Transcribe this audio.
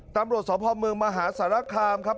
ตำรวจสพเมืองมหาสารคามครับ